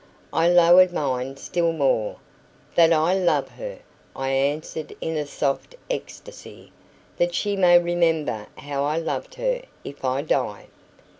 I lowered mine still more. "That I love her!" I answered in a soft ecstasy. "That she may remember how I loved her, if I die!"